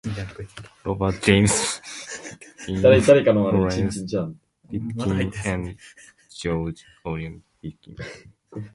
Robert James Pitkin, Florence Pitkin, and George Orrin Pitkin.